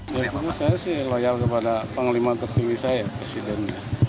sebenarnya saya sih loyal kepada panglima tertinggi saya presiden